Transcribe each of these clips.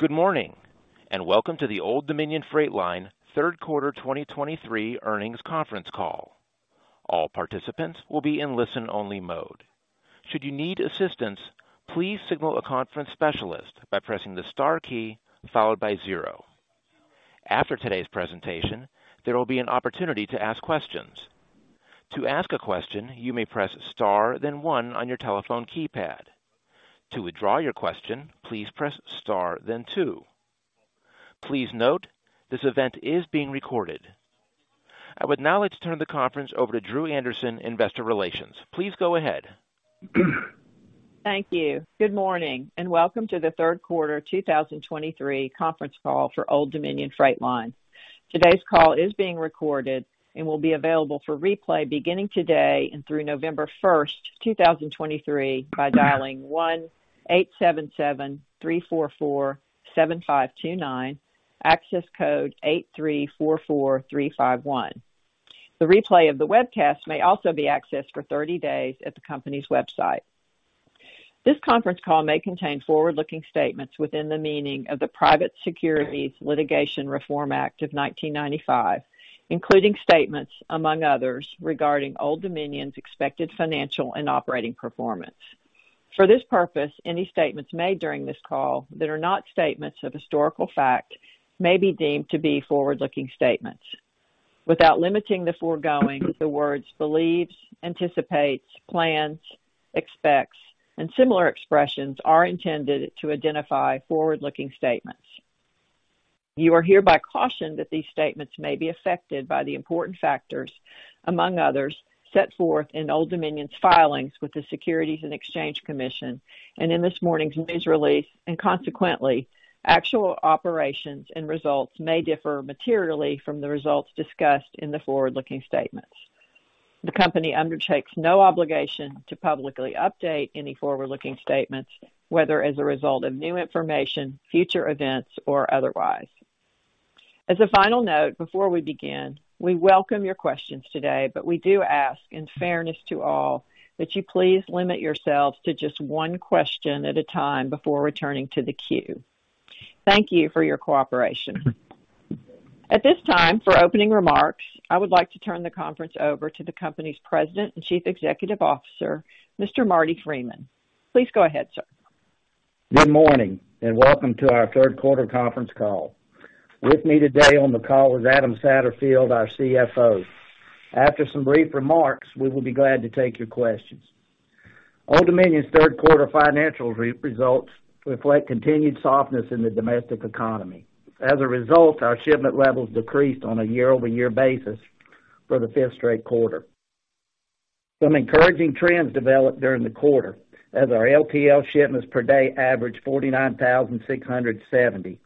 Good morning, and welcome to the Old Dominion Freight Line Q3 2023 earnings conference call. All participants will be in listen-only mode. Should you need assistance, please signal a conference specialist by pressing the star key followed by zero. After today's presentation, there will be an opportunity to ask questions. To ask a question, you may press star, then one on your telephone keypad. To withdraw your question, please press star, then two. Please note, this event is being recorded. I would now like to turn the conference over to Drew Andersen, Investor Relations. Please go ahead. Thank you. Good morning, and welcome to the Q3 2023 conference call for Old Dominion Freight Line. Today's call is being recorded and will be available for replay beginning today and through November 1, 2023, by dialing 1-877-344-7529, access code 834-4351. The replay of the webcast may also be accessed for 30 days at the company's website. This conference call may contain forward-looking statements within the meaning of the Private Securities Litigation Reform Act of 1995, including statements, among others, regarding Old Dominion's expected financial and operating performance. For this purpose, any statements made during this call that are not statements of historical fact may be deemed to be forward-looking statements. Without limiting the foregoing, the words believes, anticipates, plans, expects, and similar expressions are intended to identify forward-looking statements. You are hereby cautioned that these statements may be affected by the important factors, among others, set forth in Old Dominion's filings with the Securities and Exchange Commission and in this morning's news release, and consequently, actual operations and results may differ materially from the results discussed in the forward-looking statements. The Company undertakes no obligation to publicly update any forward-looking statements, whether as a result of new information, future events, or otherwise. As a final note, before we begin, we welcome your questions today, but we do ask, in fairness to all, that you please limit yourselves to just one question at a time before returning to the queue. Thank you for your cooperation. At this time, for opening remarks, I would like to turn the conference over to the Company's President and Chief Executive Officer, Mr. Marty Freeman. Please go ahead, sir. Good morning, and welcome to our Q3 conference call. With me today on the call is Adam Satterfield, our CFO. After some brief remarks, we will be glad to take your questions. Old Dominion's Q3 financial results reflect continued softness in the domestic economy. As a result, our shipment levels decreased on a year-over-year basis for the fifth straight quarter. Some encouraging trends developed during the quarter, as our LTL shipments per day averaged 49,670,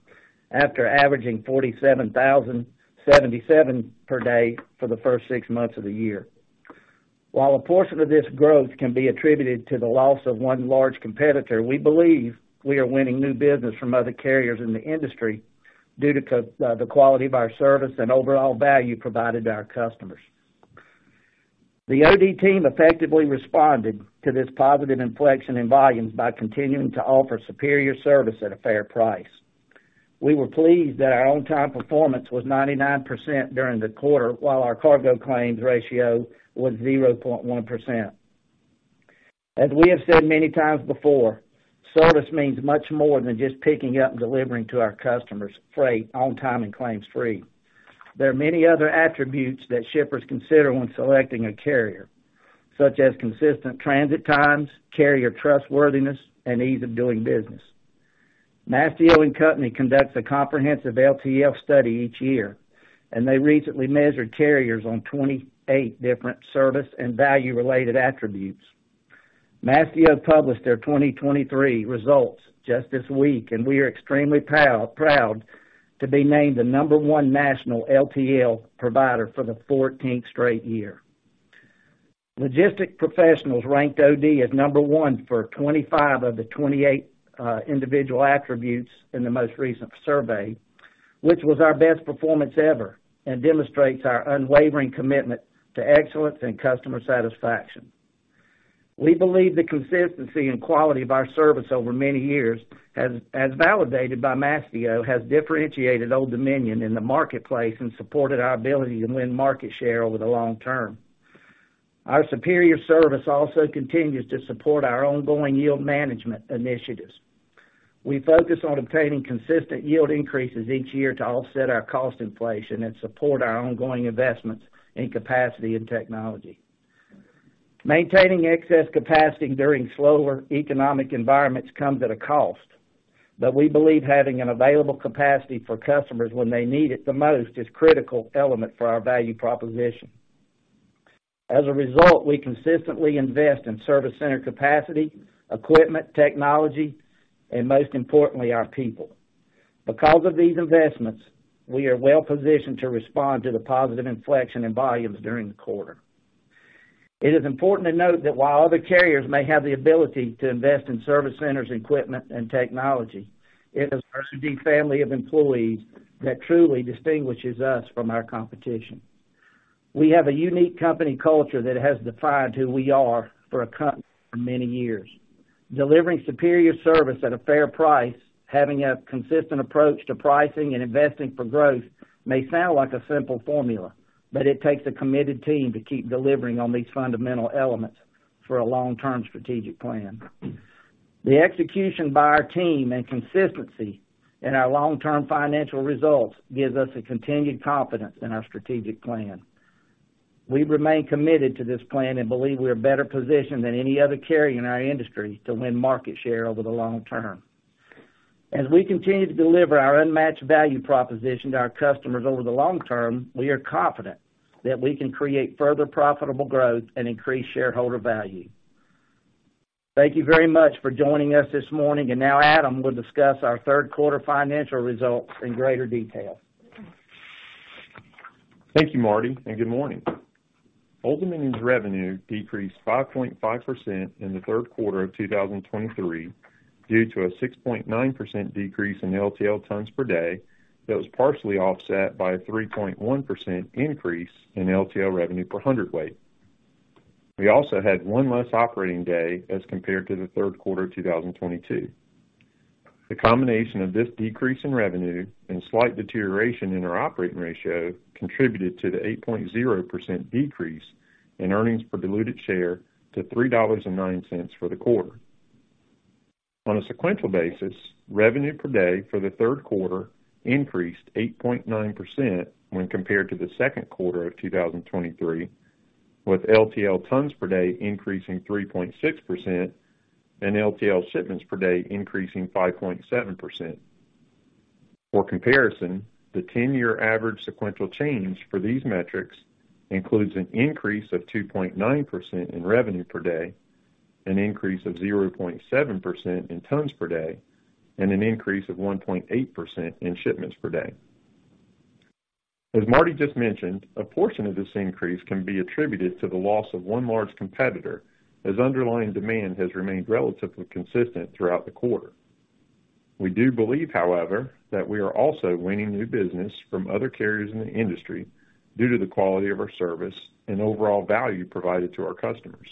after averaging 47,077 per day for the first six months of the year. While a portion of this growth can be attributed to the loss of one large competitor, we believe we are winning new business from other carriers in the industry due to the quality of our service and overall value provided to our customers. The OD team effectively responded to this positive inflection in volumes by continuing to offer superior service at a fair price. We were pleased that our on-time performance was 99% during the quarter, while our cargo claims ratio was 0.1%. As we have said many times before, service means much more than just picking up and delivering to our customers' freight on time and claims-free. There are many other attributes that shippers consider when selecting a carrier, such as consistent transit times, carrier trustworthiness, and ease of doing business. Mastio & Company conducts a comprehensive LTL study each year, and they recently measured carriers on 28 different service and value-related attributes. Mastio published their 2023 results just this week, and we are extremely proud, proud to be named the number one national LTL provider for the fourteenth straight year. Logistics professionals ranked OD as number 1 for 25 of the 28 individual attributes in the most recent survey, which was our best performance ever and demonstrates our unwavering commitment to excellence and customer satisfaction. We believe the consistency and quality of our service over many years, as validated by Mastio, has differentiated Old Dominion in the marketplace and supported our ability to win market share over the long term. Our superior service also continues to support our ongoing yield management initiatives. We focus on obtaining consistent yield increases each year to offset our cost inflation and support our ongoing investments in capacity and technology. Maintaining excess capacity during slower economic environments comes at a cost, but we believe having an available capacity for customers when they need it the most is a critical element for our value proposition. As a result, we consistently invest in service center capacity, equipment, technology, and most importantly, our people. Because of these investments, we are well positioned to respond to the positive inflection in volumes during the quarter. It is important to note that while other carriers may have the ability to invest in service centers, equipment, and technology, it is our deep family of employees that truly distinguishes us from our competition. We have a unique company culture that has defined who we are for many years. Delivering superior service at a fair price, having a consistent approach to pricing and investing for growth may sound like a simple formula, but it takes a committed team to keep delivering on these fundamental elements for a long-term strategic plan. The execution by our team and consistency in our long-term financial results gives us a continued confidence in our strategic plan. We remain committed to this plan and believe we are better positioned than any other carrier in our industry to win market share over the long term. As we continue to deliver our unmatched value proposition to our customers over the long term, we are confident that we can create further profitable growth and increase shareholder value. Thank you very much for joining us this morning. And now Adam will discuss our Q3 financial results in greater detail. Thank you, Marty, and good morning. Old Dominion's revenue decreased 5.5% in the Q3 of 2023, due to a 6.9% decrease in LTL tons per day, that was partially offset by a 3.1% increase in LTL revenue per hundredweight. We also had one less operating day as compared to the Q3 of 2022. The combination of this decrease in revenue and slight deterioration in our operating ratio contributed to the 8.0% decrease in earnings per diluted share to $3.09 for the quarter. On a sequential basis, revenue per day for the Q3 increased 8.9% when compared to the Q2 of 2023, with LTL tons per day increasing 3.6% and LTL shipments per day increasing 5.7%. For comparison, the 10-year average sequential change for these metrics includes an increase of 2.9% in revenue per day, an increase of 0.7% in tons per day, and an increase of 1.8% in shipments per day. As Marty just mentioned, a portion of this increase can be attributed to the loss of one large competitor, as underlying demand has remained relatively consistent throughout the quarter. We do believe, however, that we are also winning new business from other carriers in the industry due to the quality of our service and overall value provided to our customers.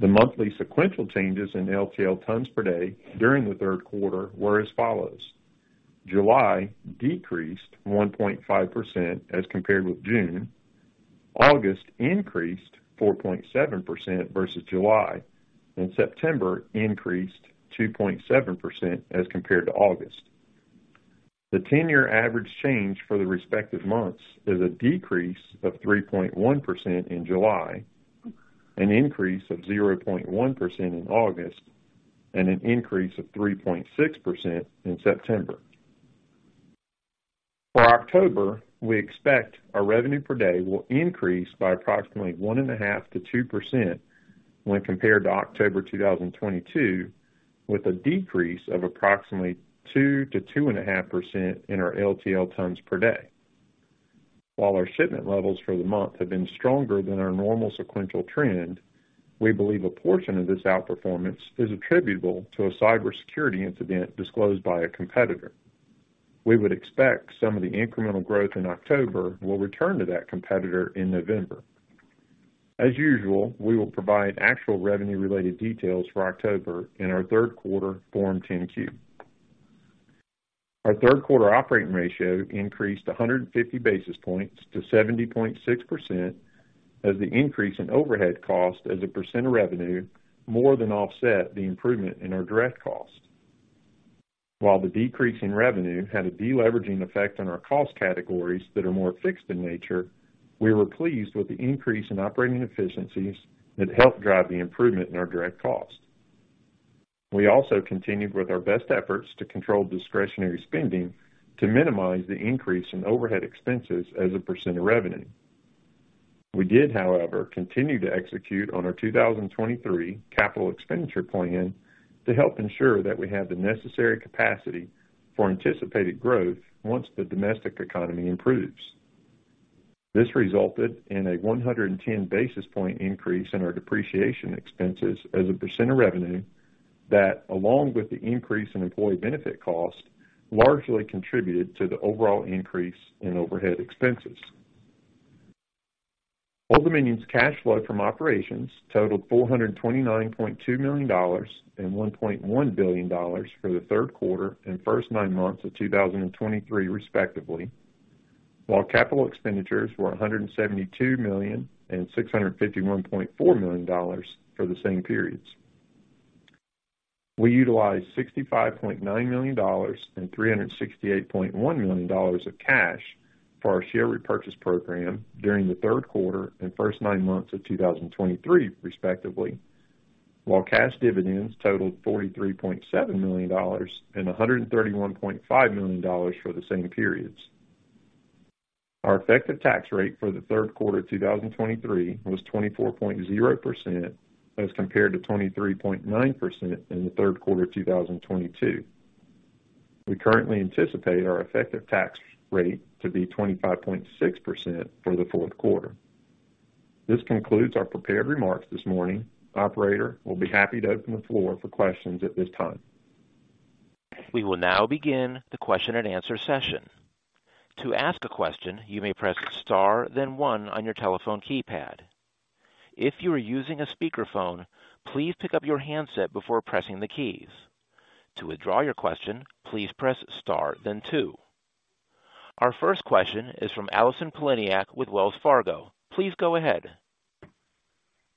The monthly sequential changes in LTL tons per day during the Q3 were as follows: July decreased 1.5% as compared with June, August increased 4.7% versus July, and September increased 2.7% as compared to August. The 10-year average change for the respective months is a decrease of 3.1% in July, an increase of 0.1% in August, and an increase of 3.6% in September. For October, we expect our revenue per day will increase by approximately 1.5%-2% when compared to October 2022, with a decrease of approximately 2%-2.5% in our LTL tons per day. While our shipment levels for the month have been stronger than our normal sequential trend, we believe a portion of this outperformance is attributable to a cybersecurity incident disclosed by a competitor. We would expect some of the incremental growth in October will return to that competitor in November. As usual, we will provide actual revenue-related details for October in our Q3 Form 10-Q. Our Q3 operating ratio increased 150 basis points to 70.6%, as the increase in overhead cost as a percent of revenue more than offset the improvement in our direct costs. While the decrease in revenue had a deleveraging effect on our cost categories that are more fixed in nature, we were pleased with the increase in operating efficiencies that helped drive the improvement in our direct costs. We also continued with our best efforts to control discretionary spending to minimize the increase in overhead expenses as a % of revenue. We did, however, continue to execute on our 2023 capital expenditure plan to help ensure that we have the necessary capacity for anticipated growth once the domestic economy improves. This resulted in a 110 basis point increase in our depreciation expenses as a % of revenue, that, along with the increase in employee benefit costs, largely contributed to the overall increase in overhead expenses. Old Dominion's cash flow from operations totaled $429.2 million and $1.1 billion for the Q3 and first nine months of 2023, respectively, while capital expenditures were $172 million and $651.4 million for the same periods. We utilized $65.9 million and $368.1 million of cash for our share repurchase program during the Q3 and first nine months of 2023, respectively, while cash dividends totaled $43.7 million and $131.5 million for the same periods. Our effective tax rate for the Q3 of 2023 was 24.0%, as compared to 23.9% in the Q3 of 2022. We currently anticipate our effective tax rate to be 25.6% for the Q4. This concludes our prepared remarks this morning. Operator, we'll be happy to open the floor for questions at this time. We will now begin the question and answer session. To ask a question, you may press Star, then one on your telephone keypad. If you are using a speakerphone, please pick up your handset before pressing the keys. To withdraw your question, please press Star then two. Our first question is from Allison Poliniak with Wells Fargo. Please go ahead.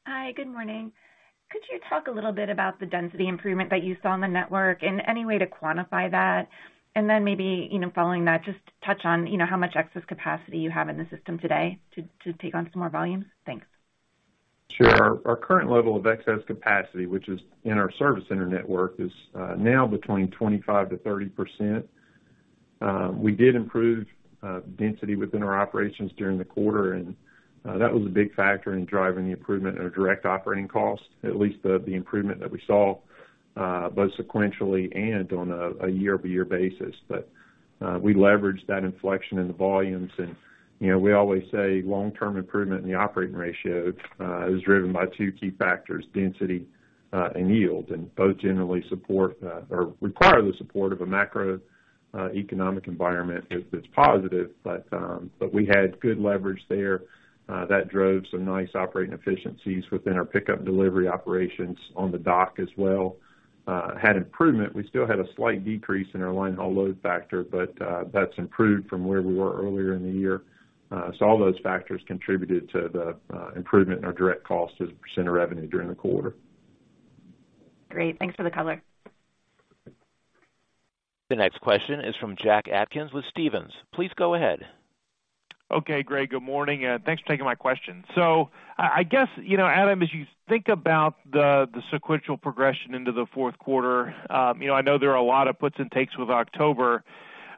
Hi, good morning. Could you talk a little bit about the density improvement that you saw in the network and any way to quantify that? And then maybe, you know, following that, just touch on, you know, how much excess capacity you have in the system today to take on some more volume. Thanks. Sure. Our current level of excess capacity, which is in our service center network, is now between 25%-30%. We did improve density within our operations during the quarter, and that was a big factor in driving the improvement in our direct operating costs. At least the improvement that we saw both sequentially and on a year-over-year basis. But we leveraged that inflection in the volumes and, you know, we always say long-term improvement in the operating ratio is driven by two key factors, density and yield, and both generally support or require the support of a macroeconomic environment that's positive. But but we had good leverage there that drove some nice operating efficiencies within our pickup delivery operations on the dock as well. Had improvement. We still had a slight decrease in our linehaul load factor, but that's improved from where we were earlier in the year. So all those factors contributed to the improvement in our direct cost as a % of revenue during the quarter. Great. Thanks for the color. The next question is from Jack Atkins with Stephens. Please go ahead. Okay, great. Good morning, and thanks for taking my question. So I guess, you know, Adam, as you think about the sequential progression into the Q4, you know, I know there are a lot of puts and takes with October,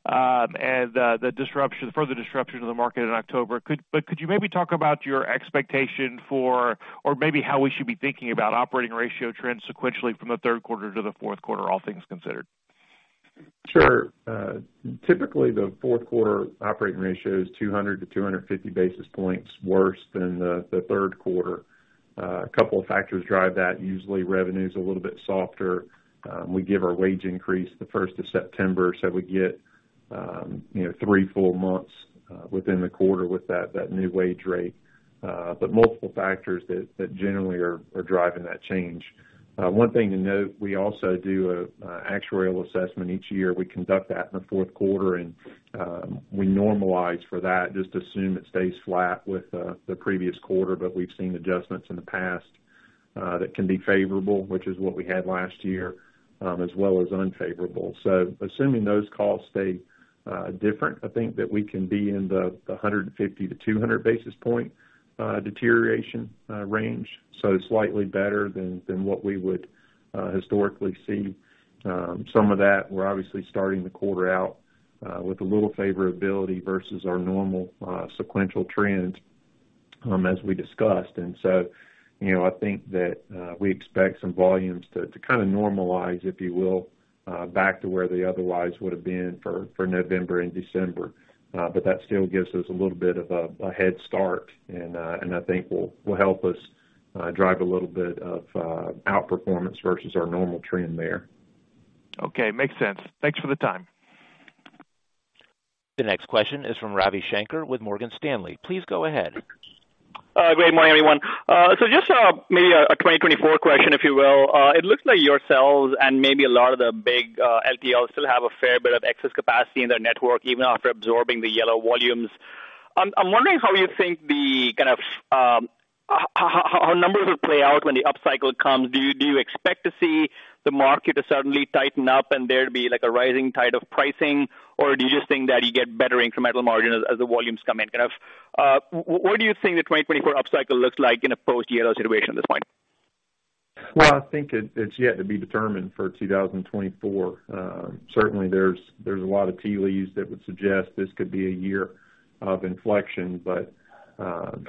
and the disruption, further disruption to the market in October. But could you maybe talk about your expectation for, or maybe how we should be thinking about operating ratio trends sequentially from the Q3 to the Q4, all things considered? Sure. Typically, the Q4 operating ratio is 200-250 basis points worse than the Q3. A couple of factors drive that. Usually, revenue is a little bit softer. We give our wage increase the first of September, so we get, you know, 3-4 months within the quarter with that new wage rate, but multiple factors that generally are driving that change. One thing to note, we also do an actuarial assessment each year. We conduct that in the Q4, and we normalize for that, just assume it stays flat with the previous quarter. But we've seen adjustments in the past that can be favorable, which is what we had last year, as well as unfavorable. Assuming those costs stay different, I think that we can be in the 150-200 basis point deterioration range, so slightly better than what we would historically see. Some of that, we're obviously starting the quarter out with a little favorability versus our normal sequential trends, as we discussed. And so, you know, I think that we expect some volumes to kind of normalize, if you will, back to where they otherwise would have been for November and December. But that still gives us a little bit of a head start, and I think will help us drive a little bit of outperformance versus our normal trend there. Okay, makes sense. Thanks for the time. The next question is from Ravi Shanker with Morgan Stanley. Please go ahead. Great morning, everyone. So just maybe a 2024 question, if you will. It looks like yourselves and maybe a lot of the big LTLs still have a fair bit of excess capacity in their network, even after absorbing the Yellow volumes. I'm wondering how you think the kind of numbers will play out when the upcycle comes. Do you expect to see the market to suddenly tighten up and there to be, like, a rising tide of pricing? Or do you just think that you get better incremental margin as the volumes come in? Kind of, what do you think the 2024 upcycle looks like in a post-Yellow situation at this point? Well, I think it's yet to be determined for 2024. Certainly there's a lot of tea leaves that would suggest this could be a year of inflection, but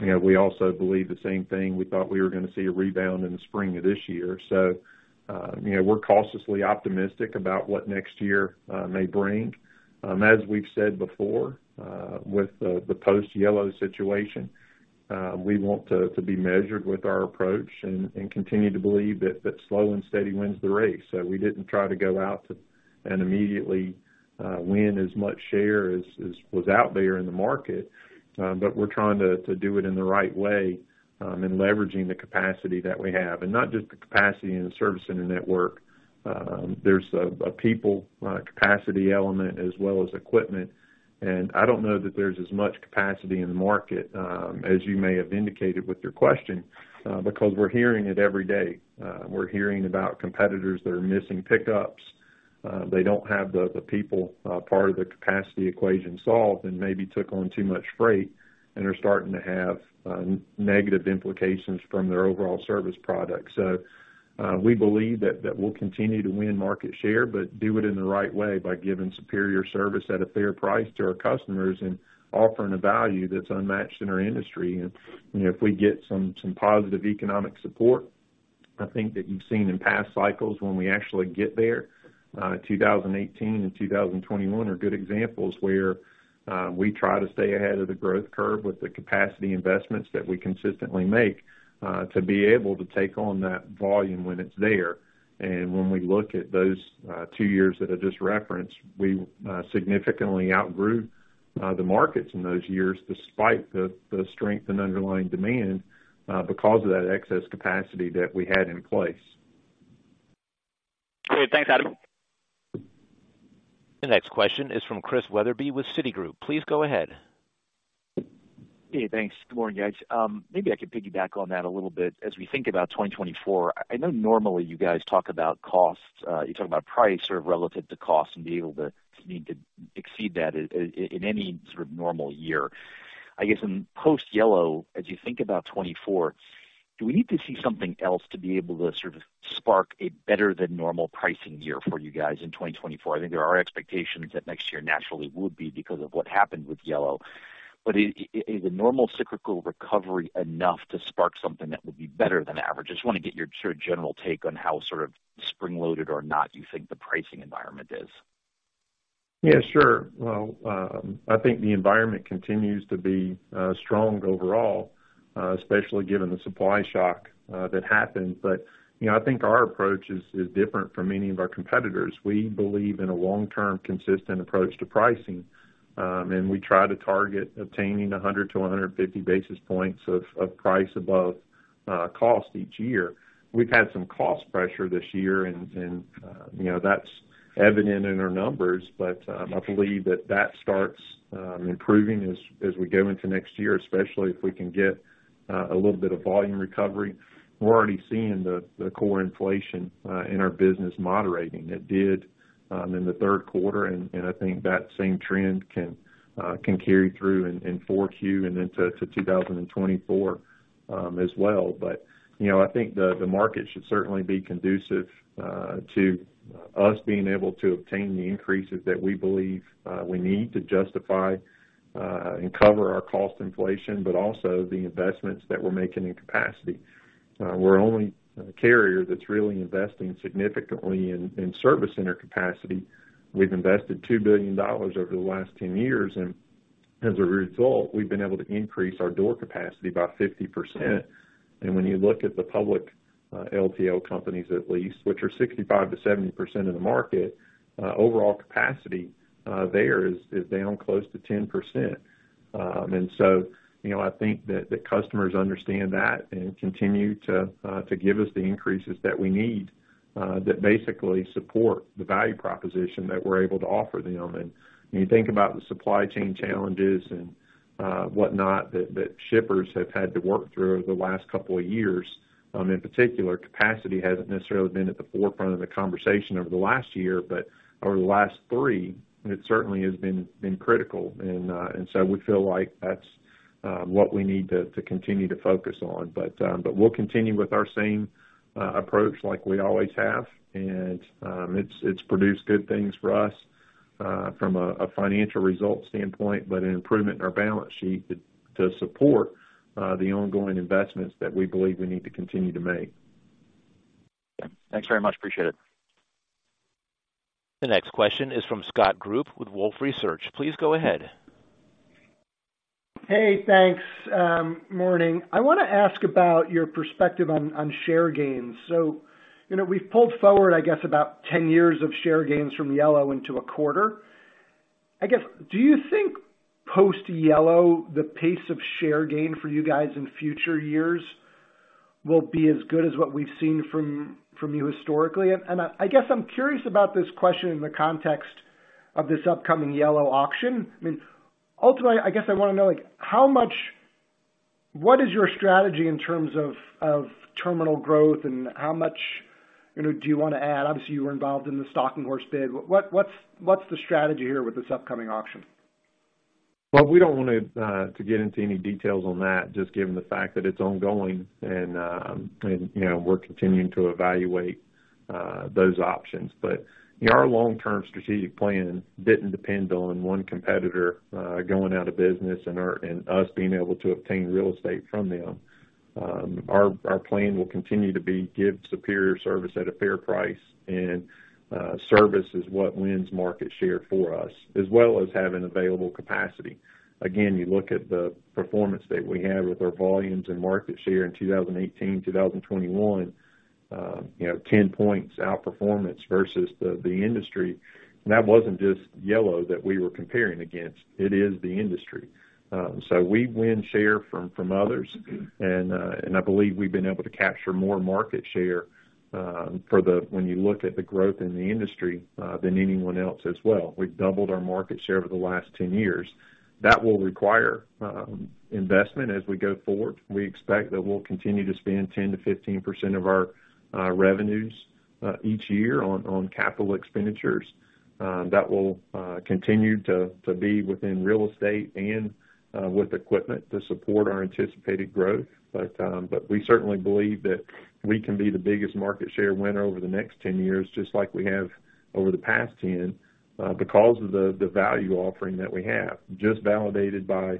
you know, we also believe the same thing. We thought we were gonna see a rebound in the spring of this year. So you know, we're cautiously optimistic about what next year may bring. As we've said before, with the post-Yellow situation, we want to be measured with our approach and continue to believe that slow and steady wins the race. So we didn't try to go out to... and immediately, win as much share as was out there in the market, but we're trying to do it in the right way, in leveraging the capacity that we have, and not just the capacity in the service center network. There's a people capacity element as well as equipment, and I don't know that there's as much capacity in the market as you may have indicated with your question, because we're hearing it every day. We're hearing about competitors that are missing pickups. They don't have the people part of the capacity equation solved and maybe took on too much freight and are starting to have negative implications from their overall service product. So, we believe that we'll continue to win market share, but do it in the right way by giving superior service at a fair price to our customers and offering a value that's unmatched in our industry. And, you know, if we get some positive economic support, I think that you've seen in past cycles when we actually get there, 2018 and 2021 are good examples where we try to stay ahead of the growth curve with the capacity investments that we consistently make to be able to take on that volume when it's there. And when we look at those two years that I just referenced, we significantly outgrew the markets in those years despite the strength and underlying demand because of that excess capacity that we had in place. Great. Thanks, Adam. The next question is from Chris Wetherbee with Citigroup. Please go ahead. Hey, thanks. Good morning, guys. Maybe I could piggyback on that a little bit. As we think about 2024, I know normally you guys talk about costs, you talk about price sort of relative to cost and being able to need to exceed that in any sort of normal year. I guess in post-Yellow, as you think about 2024, do we need to see something else to be able to sort of spark a better than normal pricing year for you guys in 2024? I think there are expectations that next year naturally would be because of what happened with Yellow. But is a normal cyclical recovery enough to spark something that would be better than average? I just want to get your sort of general take on how sort of spring-loaded or not you think the pricing environment is. Yeah, sure. Well, I think the environment continues to be strong overall, especially given the supply shock that happened. But, you know, I think our approach is different from many of our competitors. We believe in a long-term, consistent approach to pricing, and we try to target obtaining 100-150 basis points of price above cost each year. We've had some cost pressure this year, and you know, that's evident in our numbers. But, I believe that starts improving as we go into next year, especially if we can get a little bit of volume recovery. We're already seeing the core inflation in our business moderating. It did in the Q3, and I think that same trend can carry through in Q4 and into 2024 as well. But, you know, I think the market should certainly be conducive to us being able to obtain the increases that we believe we need to justify and cover our cost inflation, but also the investments that we're making in capacity. We're only a carrier that's really investing significantly in service center capacity. We've invested $2 billion over the last 10 years, and as a result, we've been able to increase our door capacity by 50%. And when you look at the public LTL companies, at least, which are 65%-70% of the market, overall capacity there is down close to 10%. And so, you know, I think that the customers understand that and continue to give us the increases that we need, that basically support the value proposition that we're able to offer them. And when you think about the supply chain challenges and, whatnot, that shippers have had to work through over the last couple of years, in particular, capacity hasn't necessarily been at the forefront of the conversation over the last year, but over the last three, it certainly has been critical. And so we feel like that's what we need to continue to focus on. But we'll continue with our same approach like we always have, and it's produced good things for us from a financial result standpoint, but an improvement in our balance sheet to support the ongoing investments that we believe we need to continue to make. Thanks very much. Appreciate it. The next question is from Scott Group with Wolfe Research. Please go ahead. Hey, thanks. Morning. I want to ask about your perspective on share gains. So, you know, we've pulled forward, I guess, about 10 years of share gains from Yellow into a quarter. I guess, do you think post-Yellow, the pace of share gain for you guys in future years will be as good as what we've seen from you historically? And I guess I'm curious about this question in the context of this upcoming Yellow auction. I mean, ultimately, I guess I want to know, like, how much, what is your strategy in terms of terminal growth, and how much, you know, do you want to add? Obviously, you were involved in the stalking horse bid. What's the strategy here with this upcoming auction? Well, we don't want to get into any details on that, just given the fact that it's ongoing and, you know, we're continuing to evaluate those options. But, you know, our long-term strategic plan didn't depend on one competitor going out of business and us being able to obtain real estate from them. Our plan will continue to be, give superior service at a fair price, and service is what wins market share for us, as well as having available capacity. Again, you look at the performance that we had with our volumes and market share in 2018-2021, you know, 10 points outperformance versus the industry. And that wasn't just Yellow that we were comparing against, it is the industry. So we win share from, from others, and, and I believe we've been able to capture more market share for when you look at the growth in the industry than anyone else as well. We've doubled our market share over the last 10 years. That will require investment as we go forward. We expect that we'll continue to spend 10%-15% of our revenues each year on capital expenditures. That will continue to be within real estate and with equipment to support our anticipated growth. But we certainly believe that we can be the biggest market share winner over the next 10 years, just like we have over the past 10, because of the value offering that we have. Just validated by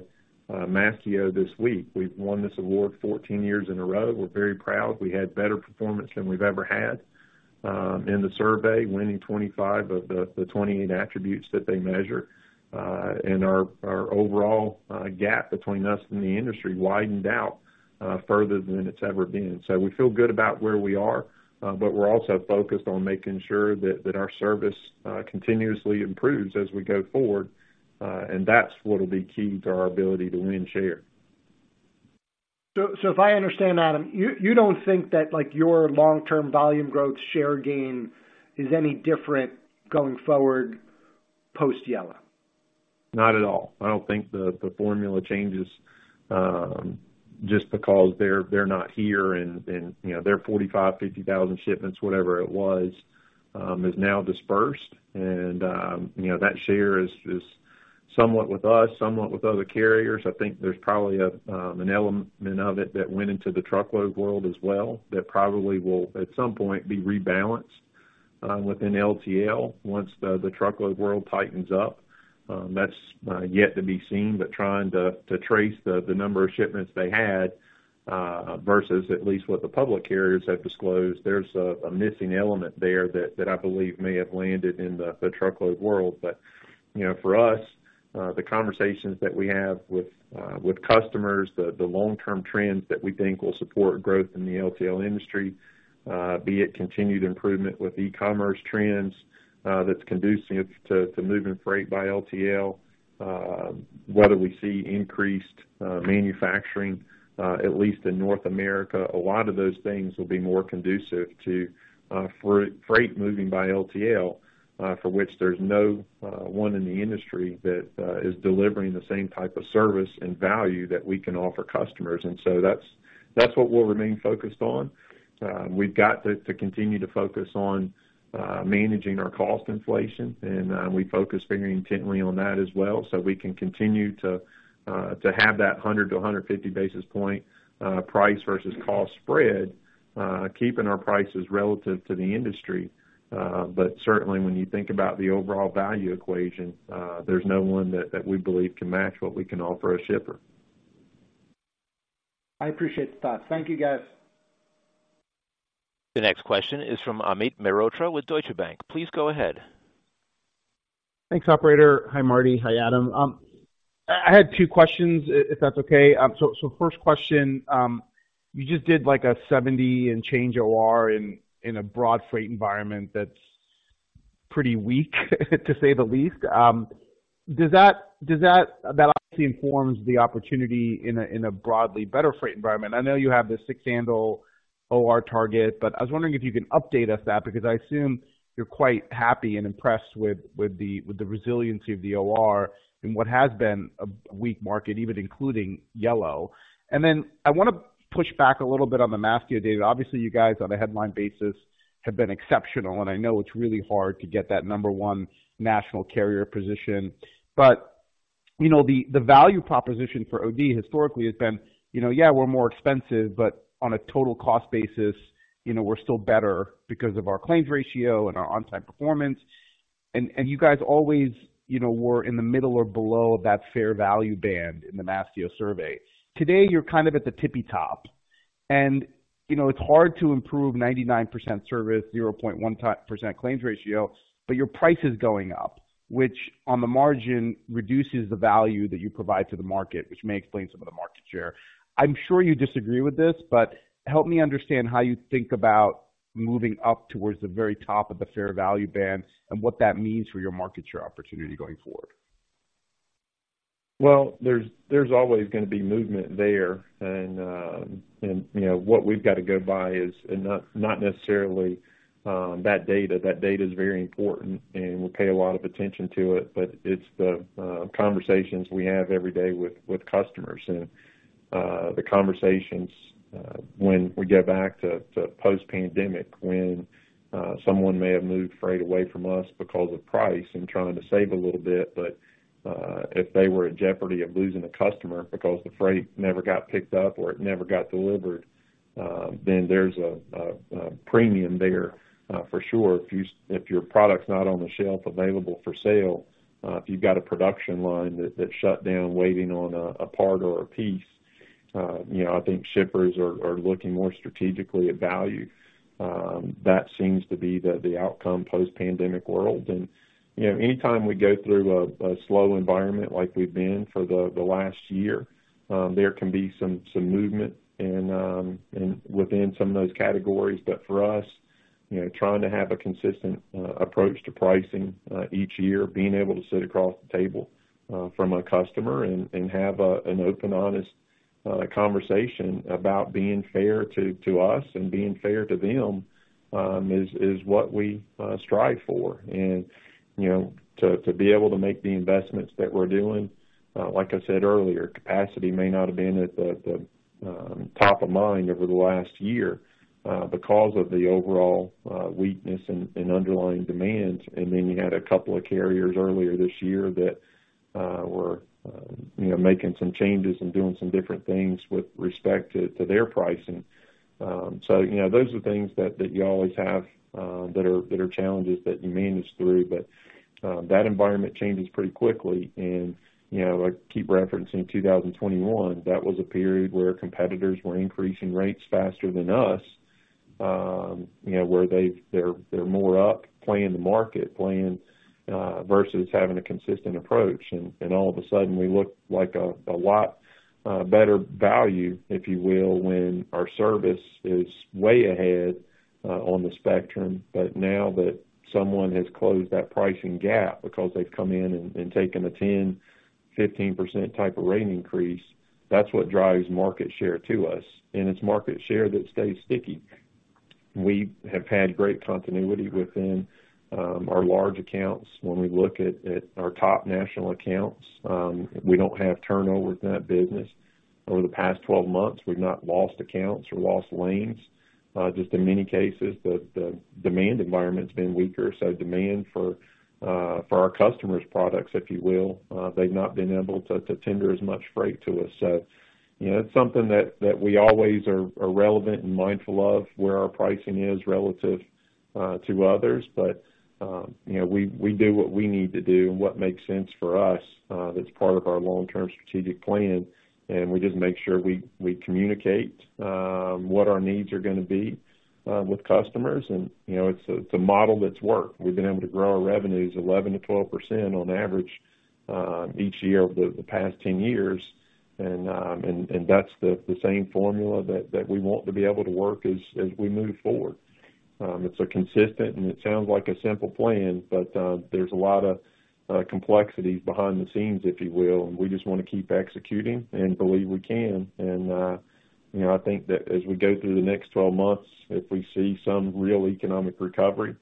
Mastio this week. We've won this award 14 years in a row. We're very proud. We had better performance than we've ever had in the survey, winning 25 of the 28 attributes that they measure. And our overall gap between us and the industry widened out further than it's ever been. So we feel good about where we are, but we're also focused on making sure that our service continuously improves as we go forward, and that's what'll be key to our ability to win share. So, if I understand, Adam, you don't think that, like, your long-term volume growth share gain is any different going forward, post Yellow? Not at all. I don't think the formula changes just because they're not here and, you know, their 45,000-50,000 shipments, whatever it was, is now dispersed. And, you know, that share is somewhat with us, somewhat with other carriers. I think there's probably an element of it that went into the truckload world as well, that probably will, at some point, be rebalanced within LTL once the truckload world tightens up. That's yet to be seen, but trying to trace the number of shipments they had versus at least what the public carriers have disclosed, there's a missing element there that I believe may have landed in the truckload world. But, you know, for us, the conversations that we have with customers, the long-term trends that we think will support growth in the LTL industry, be it continued improvement with e-commerce trends, that's conducive to moving freight by LTL, whether we see increased manufacturing, at least in North America. A lot of those things will be more conducive to freight moving by LTL, for which there's no one in the industry that is delivering the same type of service and value that we can offer customers. And so that's what we'll remain focused on. We've got to, to continue to focus on, managing our cost inflation, and, we focus very intently on that as well, so we can continue to, to have that 100-150 basis point, price versus cost spread, keeping our prices relative to the industry. But certainly, when you think about the overall value equation, there's no one that, that we believe can match what we can offer a shipper. I appreciate the thoughts. Thank you, guys. The next question is from Amit Mehrotra with Deutsche Bank. Please go ahead. Thanks, operator. Hi, Marty. Hi, Adam. I had two questions, if that's okay. So first question. You just did like a 70 and change OR in a broad freight environment that's pretty weak, to say the least. Does that... That obviously informs the opportunity in a broadly better freight environment. I know you have the six handle OR target, but I was wondering if you can update us that, because I assume you're quite happy and impressed with the resiliency of the OR in what has been a weak market, even including Yellow. And then, I wanna push back a little bit on the Mastio data. Obviously, you guys, on a headline basis, have been exceptional, and I know it's really hard to get that number one national carrier position. But you know, the value proposition for OD historically has been, you know, yeah, we're more expensive, but on a total cost basis, you know, we're still better because of our claims ratio and our on-time performance. And you guys always, you know, were in the middle or below that fair value band in the Mastio survey. Today, you're kind of at the tippy top, and, you know, it's hard to improve 99% service, 0.1% claims ratio, but your price is going up, which on the margin, reduces the value that you provide to the market, which may explain some of the market share. I'm sure you disagree with this, but help me understand how you think about moving up towards the very top of the fair value band, and what that means for your market share opportunity going forward. Well, there's always gonna be movement there, and you know, what we've got to go by is not necessarily that data. That data is very important, and we pay a lot of attention to it, but it's the conversations we have every day with customers. And the conversations when we go back to post-pandemic, when someone may have moved freight away from us because of price and trying to save a little bit, but if they were in jeopardy of losing a customer because the freight never got picked up or it never got delivered, then there's a premium there, for sure. If your product's not on the shelf available for sale, if you've got a production line that shut down waiting on a part or a piece, you know, I think shippers are looking more strategically at value. That seems to be the outcome post-pandemic world. And, you know, anytime we go through a slow environment like we've been for the last year, there can be some movement and within some of those categories. But for us, you know, trying to have a consistent approach to pricing each year, being able to sit across the table from a customer and have an open, honest conversation about being fair to us and being fair to them, is what we strive for. And, you know-... to be able to make the investments that we're doing. Like I said earlier, capacity may not have been at the top of mind over the last year because of the overall weakness in underlying demands. And then you had a couple of carriers earlier this year that, you know, were making some changes and doing some different things with respect to their pricing. So, you know, those are things that you always have that are challenges that you manage through. But that environment changes pretty quickly. And, you know, I keep referencing 2021, that was a period where competitors were increasing rates faster than us, you know, where they-- they're more up, playing the market, playing versus having a consistent approach. And all of a sudden, we look like a lot better value, if you will, when our service is way ahead on the spectrum. But now that someone has closed that pricing gap because they've come in and taken a 10-15% type of rate increase, that's what drives market share to us, and it's market share that stays sticky. We have had great continuity within our large accounts. When we look at our top national accounts, we don't have turnover in that business. Over the past 12 months, we've not lost accounts or lost lanes. Just in many cases, the demand environment's been weaker, so demand for our customers' products, if you will, they've not been able to tender as much freight to us. So, you know, it's something that we always are relevant and mindful of, where our pricing is relative to others. But, you know, we do what we need to do and what makes sense for us, that's part of our long-term strategic plan, and we just make sure we communicate what our needs are gonna be with customers. And, you know, it's a model that's worked. We've been able to grow our revenues 11%-12% on average each year over the past 10 years. And, that's the same formula that we want to be able to work as we move forward. It's a consistent, and it sounds like a simple plan, but, there's a lot of complexities behind the scenes, if you will, and we just want to keep executing and believe we can. And, you know, I think that as we go through the next 12 months, if we see some real economic recovery,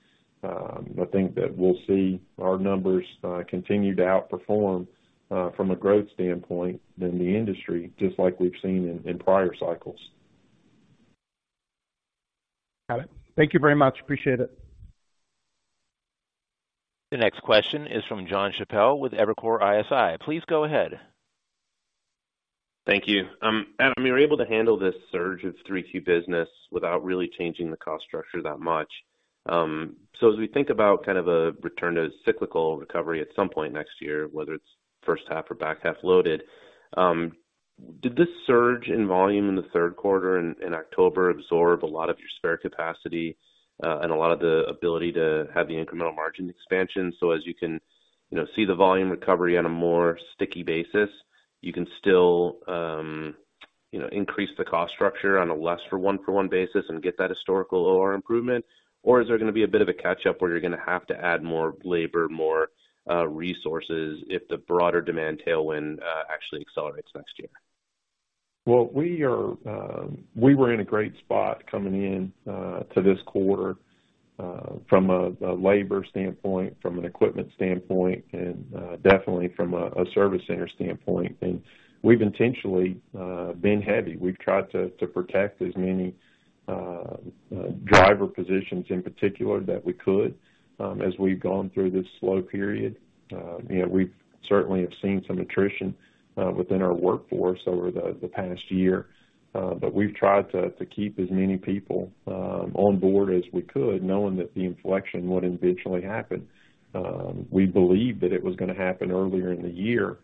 I think that we'll see our numbers continue to outperform from a growth standpoint than the industry, just like we've seen in prior cycles. Got it. Thank you very much. Appreciate it. The next question is from Jon Chappell with Evercore ISI. Please go ahead. Thank you. Adam, you're able to handle this surge of 3Q business without really changing the cost structure that much. So as we think about kind of a return to cyclical recovery at some point next year, whether it's first half or back half loaded, did this surge in volume in the Q3 and in October absorb a lot of your spare capacity, and a lot of the ability to have the incremental margin expansion? So as you can, you know, see the volume recovery on a more sticky basis, you can still, you know, increase the cost structure on a less for one-for-one basis and get that historical OR improvement? Or is there gonna be a bit of a catch-up where you're gonna have to add more labor, more, resources if the broader demand tailwind, actually accelerates next year? Well, we are. We were in a great spot coming in to this quarter from a labor standpoint, from an equipment standpoint, and definitely from a service center standpoint. And we've intentionally been heavy. We've tried to protect as many driver positions, in particular, that we could as we've gone through this slow period. You know, we certainly have seen some attrition within our workforce over the past year, but we've tried to keep as many people on board as we could, knowing that the inflection would eventually happen. We believed that it was gonna happen earlier in the year,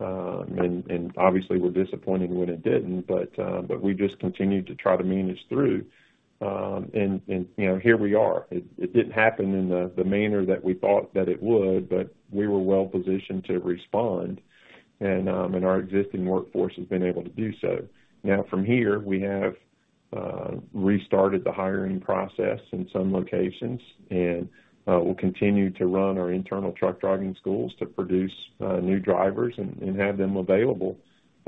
and obviously, we're disappointed when it didn't, but we just continued to try to manage through. And you know, here we are. It didn't happen in the manner that we thought that it would, but we were well positioned to respond, and our existing workforce has been able to do so. Now, from here, we have restarted the hiring process in some locations, and we'll continue to run our internal truck driving schools to produce new drivers and have them available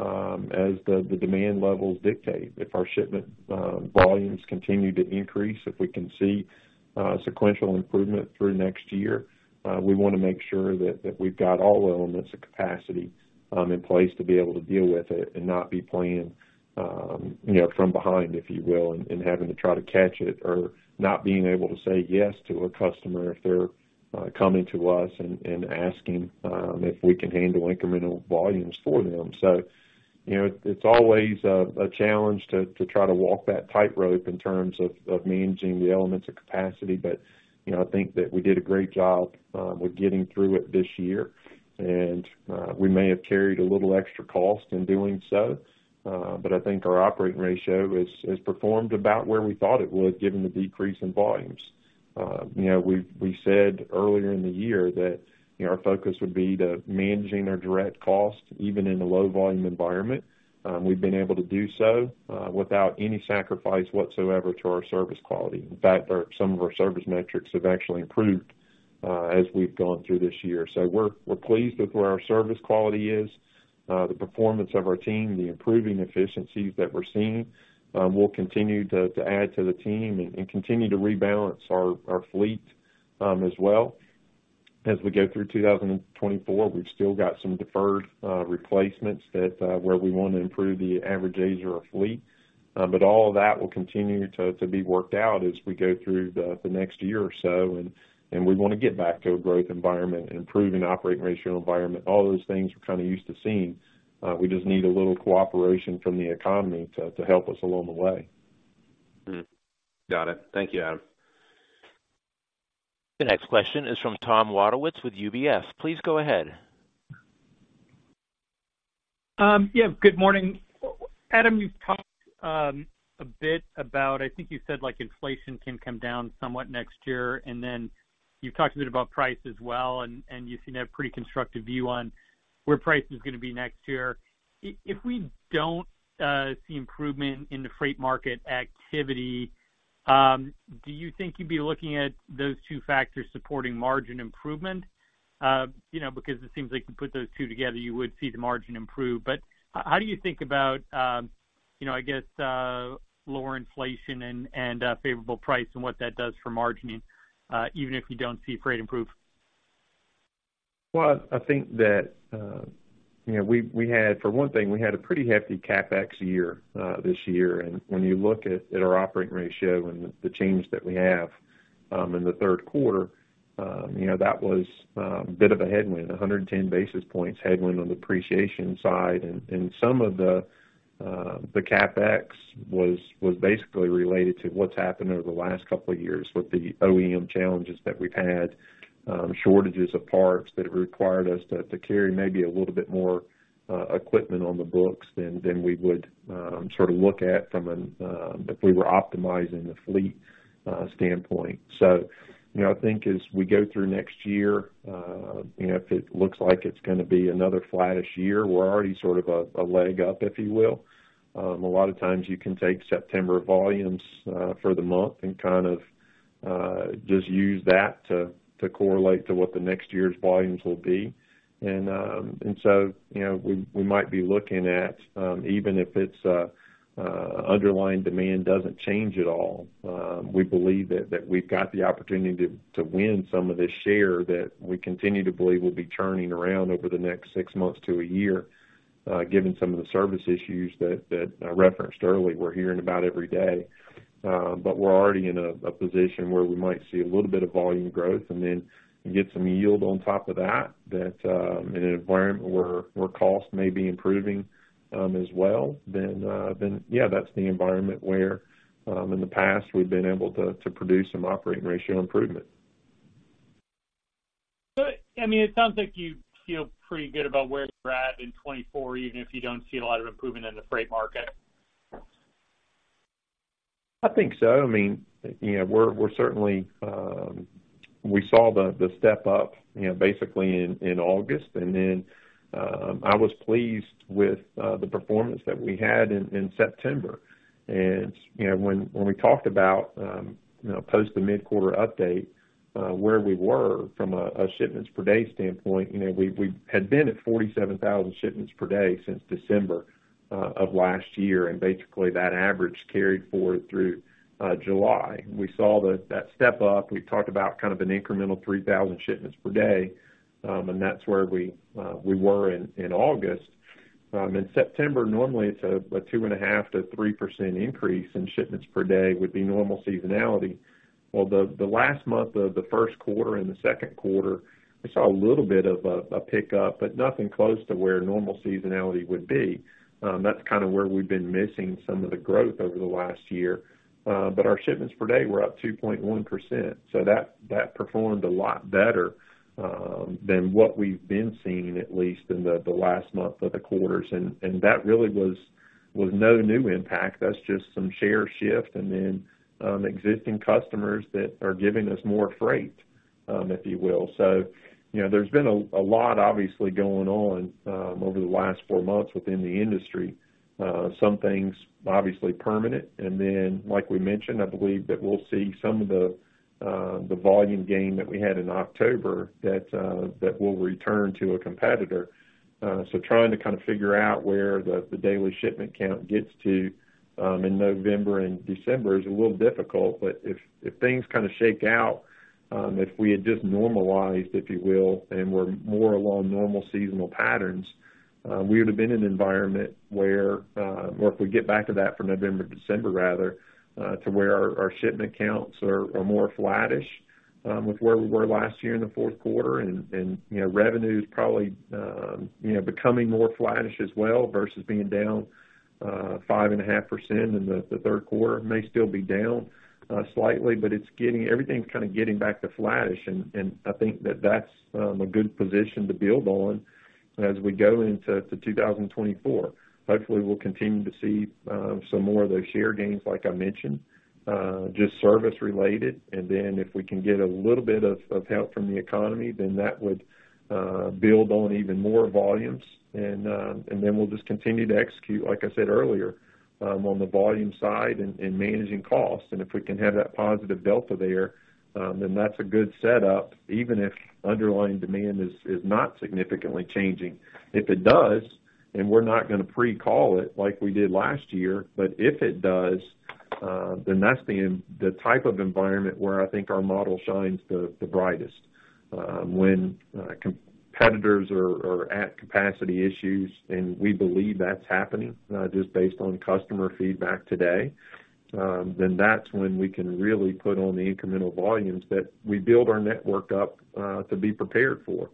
as the demand levels dictate. If our shipment volumes continue to increase, if we can see sequential improvement through next year, we want to make sure that we've got all the elements of capacity in place to be able to deal with it and not be playing, you know, from behind, if you will, and having to try to catch it or not being able to say yes to a customer if they're coming to us and asking if we can handle incremental volumes for them. So you know, it's always a challenge to try to walk that tightrope in terms of managing the elements of capacity, but you know, I think that we did a great job with getting through it this year. We may have carried a little extra cost in doing so, but I think our operating ratio has performed about where we thought it would, given the decrease in volumes. You know, we said earlier in the year that, you know, our focus would be to managing our direct costs, even in a low volume environment. We've been able to do so without any sacrifice whatsoever to our service quality. In fact, some of our service metrics have actually improved as we've gone through this year. So we're pleased with where our service quality is, the performance of our team, the improving efficiencies that we're seeing. We'll continue to add to the team and continue to rebalance our fleet as well. As we go through 2024, we've still got some deferred replacements that where we want to improve the average age of our fleet. But all of that will continue to, to be worked out as we go through the, the next year or so, and, and we want to get back to a growth environment, improving operating ratio environment, all those things we're kind of used to seeing. We just need a little cooperation from the economy to, to help us along the way. Mm-hmm. Got it. Thank you, Adam. The next question is from Tom Wadewitz with UBS. Please go ahead. Yeah, good morning. Adam, you've talked a bit about... I think you said, like, inflation can come down somewhat next year, and then you've talked a bit about price as well, and you seem to have a pretty constructive view on where pricing is going to be next year. If we don't see improvement in the freight market activity, do you think you'd be looking at those two factors supporting margin improvement? You know, because it seems like you put those two together, you would see the margin improve. But how do you think about, you know, I guess, lower inflation and favorable price and what that does for margining, even if you don't see freight improve? Well, I think that, you know, we had—for one thing, we had a pretty hefty CapEx year, this year. And when you look at our operating ratio and the change that we have in the Q3, you know, that was a bit of a headwind, 110 basis points headwind on the appreciation side. And some of the CapEx was basically related to what's happened over the last couple of years with the OEM challenges that we've had, shortages of parts that required us to carry maybe a little bit more equipment on the books than we would sort of look at from an, if we were optimizing the fleet, standpoint. So, you know, I think as we go through next year, you know, if it looks like it's gonna be another flattish year, we're already sort of a leg up, if you will. A lot of times you can take September volumes for the month and kind of just use that to correlate to what the next year's volumes will be. And so, you know, we might be looking at even if it's underlying demand doesn't change at all, we believe that we've got the opportunity to win some of this share that we continue to believe will be turning around over the next six months to a year, given some of the service issues that I referenced early, we're hearing about every day. But we're already in a position where we might see a little bit of volume growth and then get some yield on top of that, in an environment where costs may be improving, as well. Then yeah, that's the environment where, in the past, we've been able to produce some operating ratio improvement. I mean, it sounds like you feel pretty good about where you're at in 2024, even if you don't see a lot of improvement in the freight market. I think so. I mean, you know, we're, we're certainly, we saw the, the step up, you know, basically in, in August. And then, I was pleased with, the performance that we had in, in September. And, you know, when, when we talked about, you know, post the mid-quarter update, where we were from a, a shipments per day standpoint, you know, we, we had been at 47,000 shipments per day since December, of last year, and basically, that average carried forward through, July. We saw that step up. We talked about kind of an incremental 3,000 shipments per day, and that's where we, we were in, in August. In September, normally, it's a, a 2.5%-3% increase in shipments per day would be normal seasonality. Well, the last month of the Q1 and the Q2, we saw a little bit of a pickup, but nothing close to where normal seasonality would be. That's kind of where we've been missing some of the growth over the last year. But our shipments per day were up 2.1%, so that performed a lot better than what we've been seeing, at least in the last month of the quarters. And that really was no new impact. That's just some share shift and then existing customers that are giving us more freight, if you will. So you know, there's been a lot obviously going on over the last four months within the industry. Some things obviously permanent, and then, like we mentioned, I believe that we'll see some of the the volume gain that we had in October that that will return to a competitor. So trying to kind of figure out where the the daily shipment count gets to in November and December is a little difficult, but if things kind of shake out, if we had just normalized, if you will, and we're more along normal seasonal patterns, we would have been in an environment where or if we get back to that for November, December rather, to where our our shipment counts are are more flattish with where we were last year in the Q4. You know, revenue is probably, you know, becoming more flattish as well, versus being down 5.5% in the Q3. It may still be down slightly, but everything's kind of getting back to flattish, and I think that's a good position to build on as we go into 2024. Hopefully, we'll continue to see some more of those share gains, like I mentioned, just service related. And then if we can get a little bit of help from the economy, then that would build on even more volumes. And then we'll just continue to execute, like I said earlier, on the volume side and managing costs. If we can have that positive delta there, then that's a good setup, even if underlying demand is not significantly changing. If it does, and we're not gonna pre-call it like we did last year, but if it does, then that's the type of environment where I think our model shines the brightest. When competitors are at capacity issues, and we believe that's happening, just based on customer feedback today, then that's when we can really put on the incremental volumes that we build our network up to be prepared for.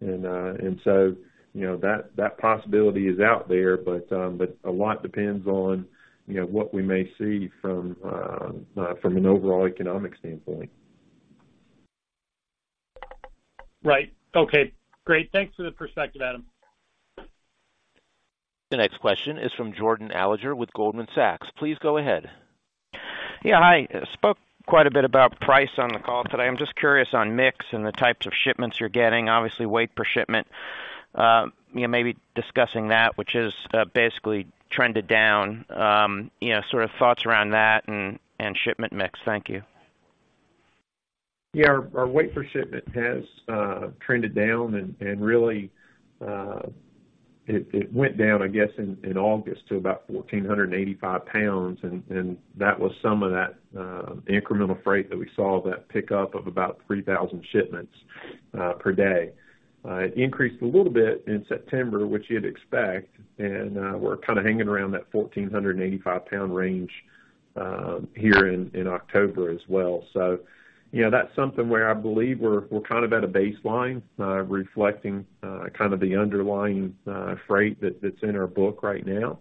And so, you know, that possibility is out there, but a lot depends on, you know, what we may see from an overall economic standpoint. Right. Okay, great. Thanks for the perspective, Adam. The next question is from Jordan Alliger with Goldman Sachs. Please go ahead. Yeah, hi. Spoke quite a bit about price on the call today. I'm just curious on mix and the types of shipments you're getting. Obviously, weight per shipment, you know, maybe discussing that, which is basically trended down. You know, sort of thoughts around that and shipment mix. Thank you. Yeah, our weight per shipment has trended down, and really, it went down, I guess, in August to about 1,485 pounds, and that was some of that incremental freight that we saw, that pickup of about 3,000 shipments per day. It increased a little bit in September, which you'd expect, and we're kind of hanging around that 1,485-pound range here in October as well. So you know, that's something where I believe we're kind of at a baseline, reflecting kind of the underlying freight that's in our book right now.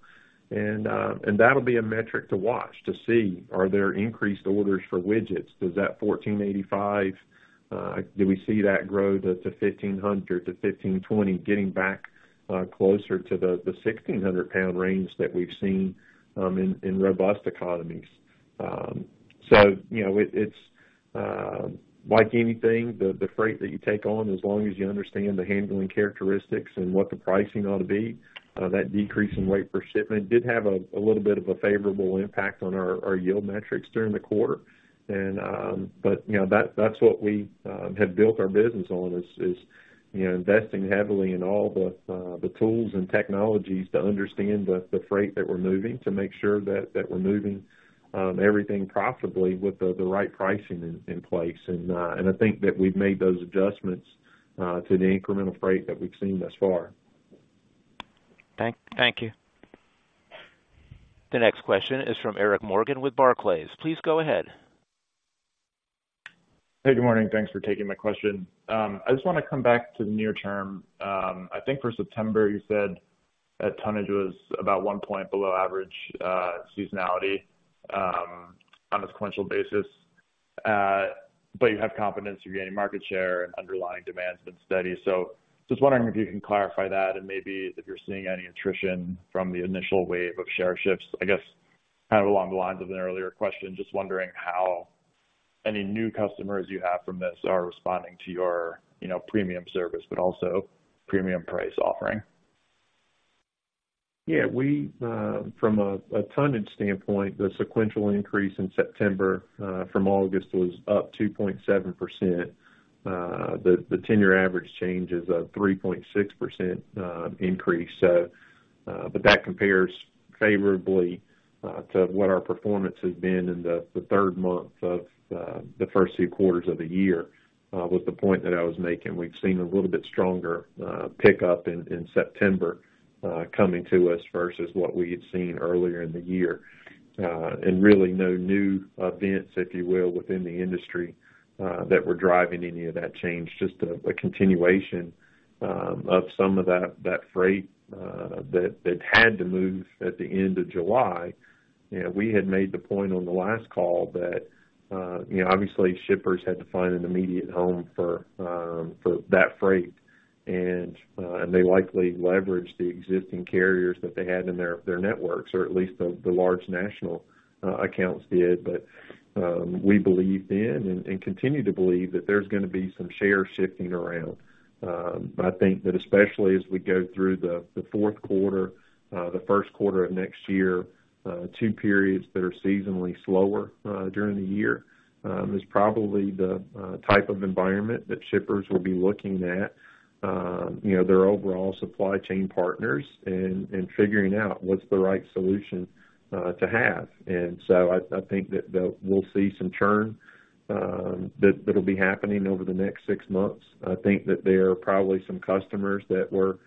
And that'll be a metric to watch to see, are there increased orders for widgets? Does that 1485, do we see that grow to, to 1500, to 1520, getting back, closer to the, the 1600-pound range that we've seen, in, in robust economies? So you know, it's, like anything, the, the freight that you take on, as long as you understand the handling characteristics and what the pricing ought to be, that decrease in weight per shipment did have a, a little bit of a favorable impact on our, our yield metrics during the quarter. And, but, you know, that's what we have built our business on, is, you know, investing heavily in all the, the tools and technologies to understand the, the freight that we're moving, to make sure that, that we're moving, everything profitably with the, the right pricing in, in place. I think that we've made those adjustments to the incremental freight that we've seen thus far. Thank you. The next question is from Eric Morgan with Barclays. Please go ahead. Hey, good morning. Thanks for taking my question. I just want to come back to the near term. I think for September, you said that tonnage was about 1 point below average seasonality, on a sequential basis. But you have confidence you're gaining market share and underlying demand has been steady. So just wondering if you can clarify that and maybe if you're seeing any attrition from the initial wave of share shifts. I guess, kind of along the lines of an earlier question, just wondering how any new customers you have from this are responding to your, you know, premium service, but also premium price offering. Yeah, we from a tonnage standpoint, the sequential increase in September from August was up 2.7%. The 10-year average change is a 3.6% increase. So, but that compares favorably to what our performance has been in the third month of the first two quarters of the year, was the point that I was making. We've seen a little bit stronger pickup in September coming to us versus what we had seen earlier in the year. And really no new events, if you will, within the industry that were driving any of that change, just a continuation of some of that freight that had to move at the end of July. You know, we had made the point on the last call that, you know, obviously shippers had to find an immediate home for, for that freight. And they likely leveraged the existing carriers that they had in their, their networks, or at least the, the large national, accounts did. But we believed then, and continue to believe, that there's gonna be some share shifting around. I think that especially as we go through the, the Q4, the Q1 of next year, two periods that are seasonally slower, during the year, is probably the, type of environment that shippers will be looking at, you know, their overall supply chain partners and, figuring out what's the right solution, to have. And so I think that we'll see some churn, that'll be happening over the next six months. I think that there are probably some customers that were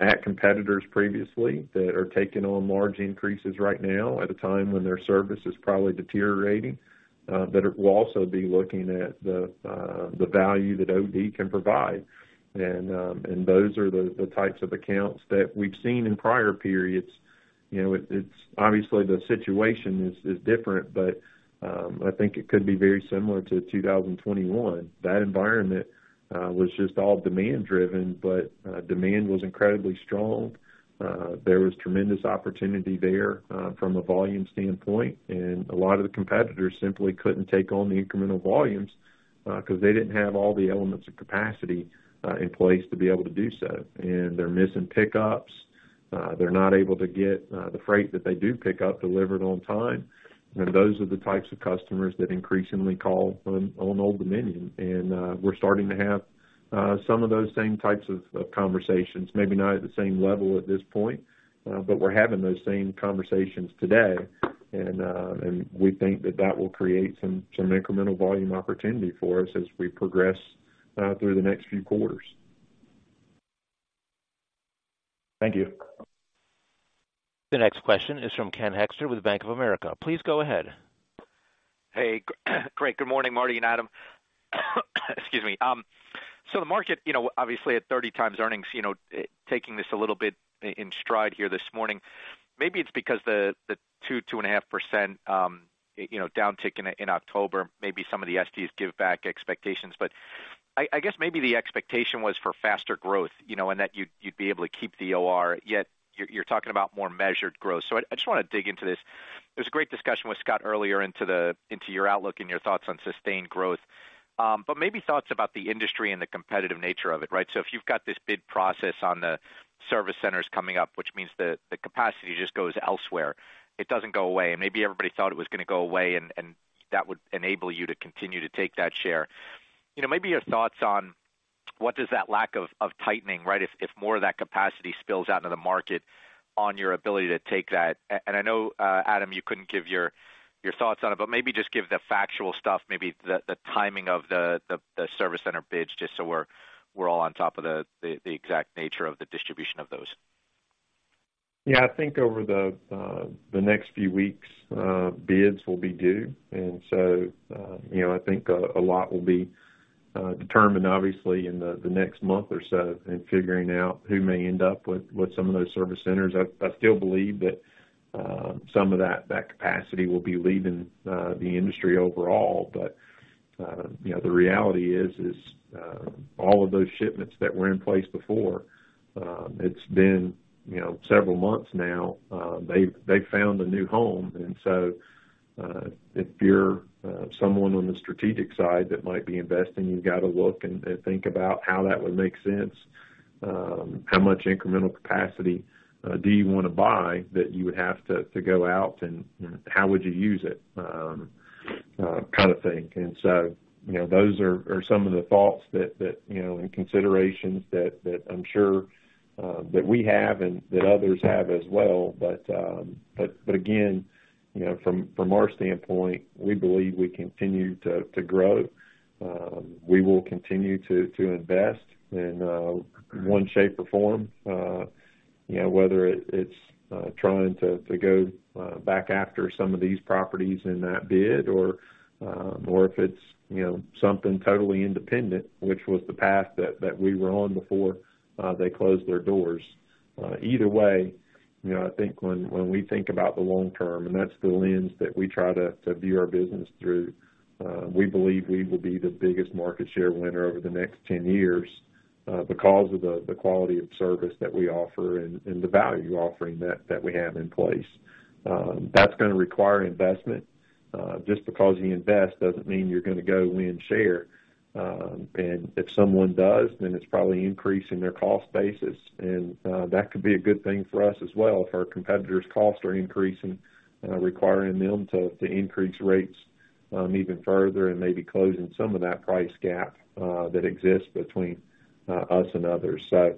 at competitors previously that are taking on large increases right now, at a time when their service is probably deteriorating, that will also be looking at the value that OD can provide. And those are the types of accounts that we've seen in prior periods. You know, it's obviously the situation is different, but I think it could be very similar to 2021. That environment was just all demand driven, but demand was incredibly strong. There was tremendous opportunity there, from a volume standpoint, and a lot of the competitors simply couldn't take on the incremental volumes, because they didn't have all the elements of capacity in place to be able to do so. They're missing pickups, they're not able to get the freight that they do pick up delivered on time. Those are the types of customers that increasingly call on Old Dominion. We're starting to have some of those same types of conversations. Maybe not at the same level at this point, but we're having those same conversations today. And we think that will create some incremental volume opportunity for us as we progress through the next few quarters. Thank you. The next question is from Ken Hoexter with Bank of America. Please go ahead. Hey, great. Good morning, Marty and Adam. Excuse me. So the market, you know, obviously at 30 times earnings, you know, taking this a little bit in stride here this morning. Maybe it's because the 2%-2.5% downtick in October, maybe some of the STs give back expectations. But I guess maybe the expectation was for faster growth, you know, and that you'd be able to keep the OR, yet you're talking about more measured growth. So I just want to dig into this. There was a great discussion with Scott earlier into your outlook and your thoughts on sustained growth, but maybe thoughts about the industry and the competitive nature of it, right? So if you've got this bid process on the service centers coming up, which means the capacity just goes elsewhere, it doesn't go away. And maybe everybody thought it was going to go away, and that would enable you to continue to take that share. You know, maybe your thoughts on what does that lack of tightening, right? If more of that capacity spills out into the market on your ability to take that. And I know, Adam, you couldn't give your thoughts on it, but maybe just give the factual stuff, maybe the timing of the service center bids, just so we're all on top of the exact nature of the distribution of those. Yeah, I think over the next few weeks, bids will be due. And so, you know, I think a lot will be determined, obviously, in the next month or so in figuring out who may end up with some of those service centers. I still believe that some of that capacity will be leaving the industry overall. But, you know, the reality is all of those shipments that were in place before, it's been, you know, several months now, they've found a new home. And so, if you're someone on the strategic side that might be investing, you've got to look and think about how that would make sense. How much incremental capacity do you want to buy that you would have to go out, and how would you use it, kind of thing. And so, you know, those are some of the thoughts that you know and considerations that I'm sure that we have and that others have as well. But again, you know, from our standpoint, we believe we continue to grow. We will continue to invest in one shape or form, you know, whether it's trying to go back after some of these properties in that bid or if it's something totally independent, which was the path that we were on before they closed their doors. Either way, you know, I think when we think about the long term, and that's the lens that we try to view our business through, we believe we will be the biggest market share winner over the next 10 years, because of the quality of service that we offer and the value offering that we have in place. That's going to require investment. Just because you invest doesn't mean you're going to go win share. And if someone does, then it's probably increasing their cost basis, and that could be a good thing for us as well, if our competitors' costs are increasing, requiring them to increase rates, even further and maybe closing some of that price gap, that exists between us and others. So,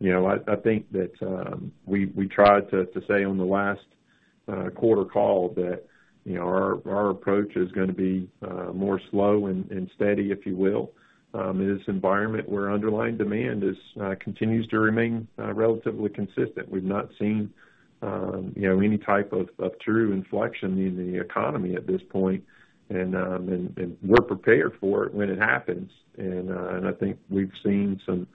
you know, I think that we tried to say on the last quarter call that, you know, our approach is going to be more slow and steady, if you will. In this environment where underlying demand continues to remain relatively consistent. We've not seen, you know, any type of true inflection in the economy at this point, and we're prepared for it when it happens. And I think we've seen some,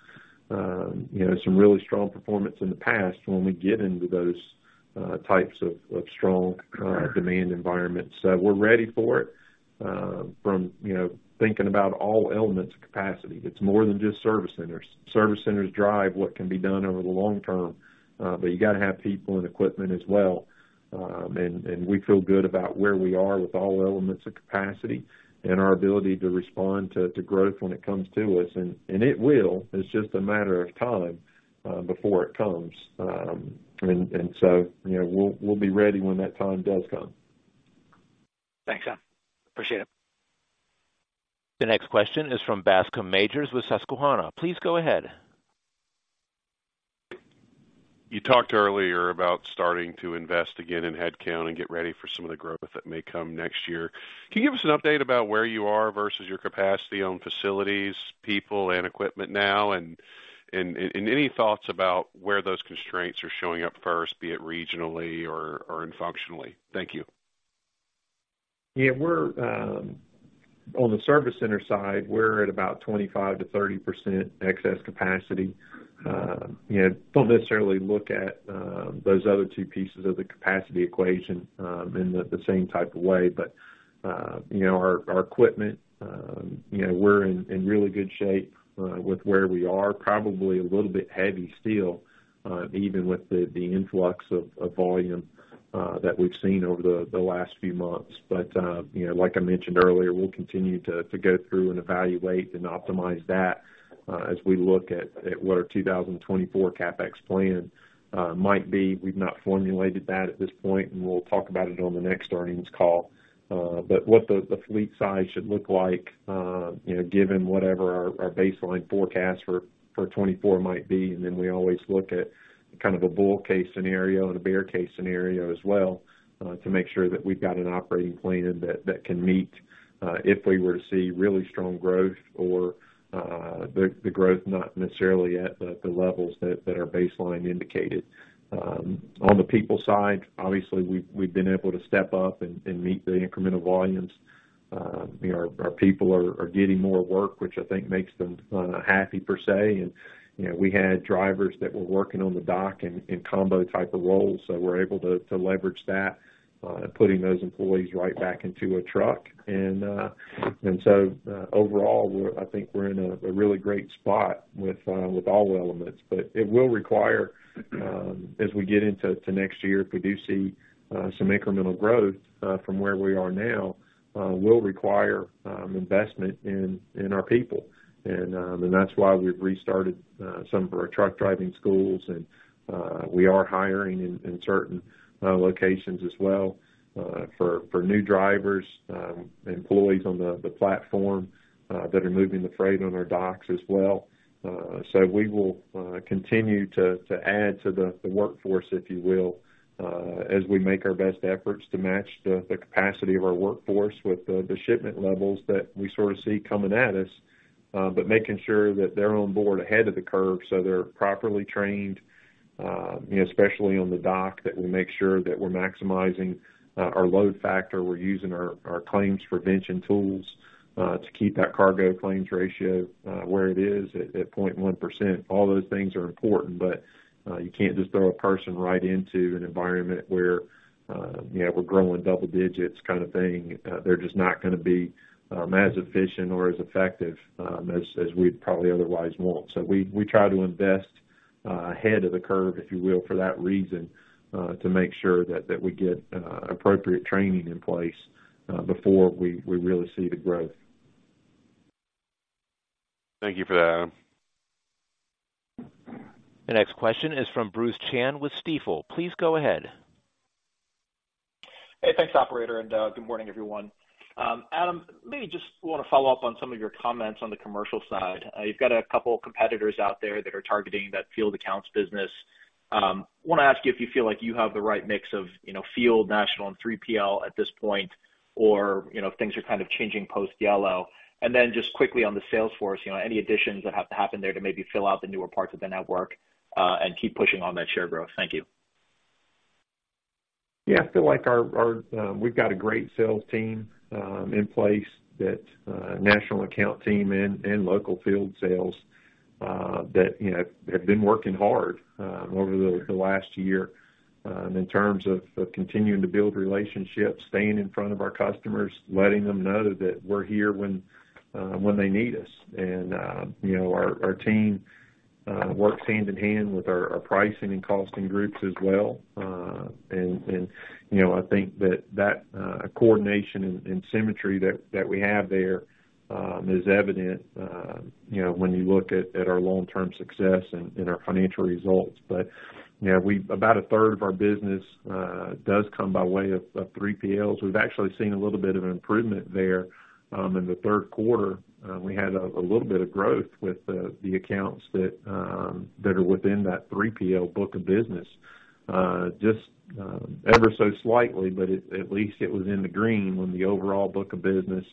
you know, some really strong performance in the past when we get into those types of strong demand environments. So we're ready for it, from, you know, thinking about all elements of capacity. It's more than just service centers. Service centers drive what can be done over the long term, but you got to have people and equipment as well. And we feel good about where we are with all elements of capacity and our ability to respond to growth when it comes to us. And it will, it's just a matter of time before it comes. And so, you know, we'll be ready when that time does come. Thanks, Adam. Appreciate it. The next question is from Bascome Majors with Susquehanna. Please go ahead. You talked earlier about starting to invest again in headcount and get ready for some of the growth that may come next year. Can you give us an update about where you are versus your capacity on facilities, people, and equipment now, and any thoughts about where those constraints are showing up first, be it regionally or in functionally? Thank you. Yeah, we're on the service center side, we're at about 25%-30% excess capacity. You know, don't necessarily look at those other two pieces of the capacity equation in the same type of way. But you know, our equipment, you know, we're in really good shape with where we are. Probably a little bit heavy still even with the influx of volume that we've seen over the last few months. But you know, like I mentioned earlier, we'll continue to go through and evaluate and optimize that as we look at what our 2024 CapEx plan might be. We've not formulated that at this point, and we'll talk about it on the next earnings call. But what the fleet size should look like, you know, given whatever our baseline forecast for 2024 might be. And then we always look at kind of a bull case scenario and a bear case scenario as well, to make sure that we've got an operating plan that can meet if we were to see really strong growth or the growth not necessarily at the levels that are baseline indicated. On the people side, obviously, we've been able to step up and meet the incremental volumes. You know, our people are getting more work, which I think makes them happy per se. And, you know, we had drivers that were working on the dock in combo type of roles, so we're able to leverage that, putting those employees right back into a truck. And so, overall, I think we're in a really great spot with all elements. But it will require, as we get into next year, if we do see some incremental growth from where we are now, investment in our people. And that's why we've restarted some of our truck driving schools, and we are hiring in certain locations as well for new drivers, employees on the platform that are moving the freight on our docks as well. So we will continue to add to the workforce, if you will, as we make our best efforts to match the capacity of our workforce with the shipment levels that we sort of see coming at us. But making sure that they're on board ahead of the curve so they're properly trained, especially on the dock, that we make sure that we're maximizing our Load Factor. We're using our claims prevention tools to keep that Cargo Claims Ratio where it is at 0.1%. All those things are important, but you can't just throw a person right into an environment where, you know, we're growing double digits kind of thing. They're just not gonna be as efficient or as effective as we'd probably otherwise want. So we try to invest ahead of the curve, if you will, for that reason, to make sure that we get appropriate training in place before we really see the growth. Thank you for that, Adam. The next question is from Bruce Chan with Stifel. Please go ahead. Hey, thanks, operator, and good morning, everyone. Adam, maybe just wanna follow up on some of your comments on the commercial side. You've got a couple competitors out there that are targeting that field accounts business. Wanna ask you if you feel like you have the right mix of, you know, field, national, and 3PL at this point, or, you know, if things are kind of changing post-Yellow? And then just quickly on the sales force, you know, any additions that have to happen there to maybe fill out the newer parts of the network, and keep pushing on that share growth? Thank you. Yeah, I feel like our... We've got a great sales team in place, that national account team and local field sales, that you know have been working hard over the last year in terms of continuing to build relationships, staying in front of our customers, letting them know that we're here when they need us. And you know our team works hand in hand with our pricing and costing groups as well. And you know I think that coordination and symmetry that we have there is evident you know when you look at our long-term success and our financial results. But you know about a third of our business does come by way of 3PLs. We've actually seen a little bit of an improvement there, in the Q3. We had a little bit of growth with the accounts that are within that 3PL book of business, just ever so slightly, but at least it was in the green when the overall book of business,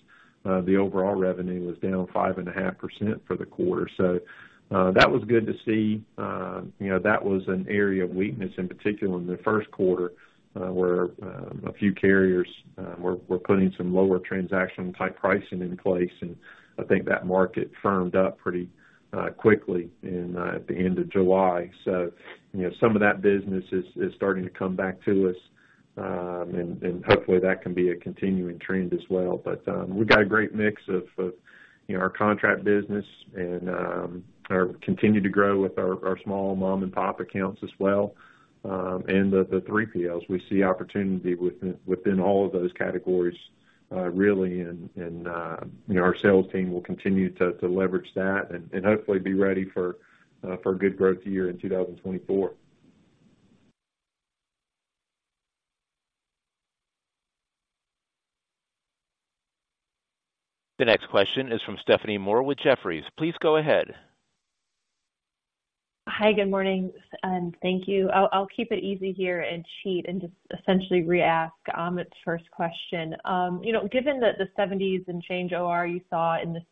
the overall revenue was down 5.5% for the quarter. So, that was good to see. You know, that was an area of weakness, in particular in the Q1, where a few carriers were putting some lower transaction type pricing in place, and I think that market firmed up pretty quickly in at the end of July. So, you know, some of that business is, is starting to come back to us, and, and hopefully, that can be a continuing trend as well. But, we've got a great mix of, of, you know, our contract business and, are continued to grow with our, our small mom-and-pop accounts as well. And the, the 3PLs, we see opportunity within, within all of those categories, really, and, and, you know, our sales team will continue to, to leverage that and, and hopefully be ready for, for a good growth year in 2024. The next question is from Stephanie Moore with Jefferies. Please go ahead. Hi, good morning, and thank you. I'll keep it easy here and cheat and just essentially re-ask Amit's first question. You know, given that the 70s and change OR you saw in this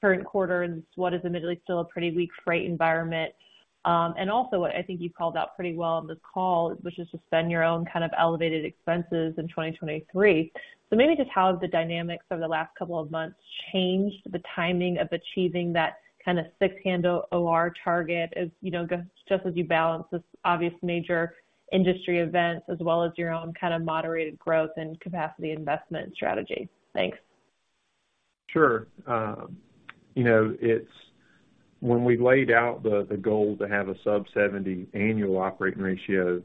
current quarter in what is admittedly still a pretty weak freight environment, and also what I think you called out pretty well on this call, which is just spending your own kind of elevated expenses in 2023. So maybe just how have the dynamics over the last couple of months changed the timing of achieving that kind of 6-handle OR target, as you know, just as you balance this obvious major industry events, as well as your own kind of moderated growth and capacity investment strategy? Thanks. Sure. You know, it's when we laid out the goal to have a sub-70 annual operating ratio,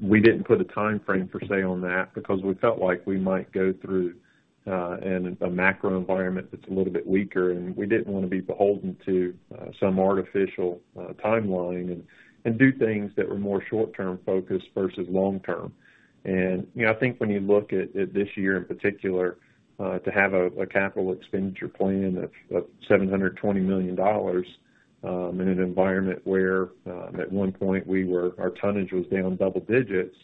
we didn't put a timeframe per se on that because we felt like we might go through and a macro environment that's a little bit weaker, and we didn't wanna be beholden to some artificial timeline and do things that were more short-term focused versus long-term. You know, I think when you look at this year, in particular, to have a capital expenditure plan of $720 million, in an environment where, at one point, our tonnage was down double digits,